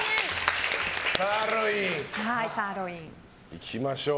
いきましょう。